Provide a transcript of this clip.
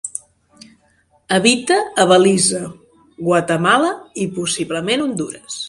Habita a Belize, Guatemala i possiblement Hondures.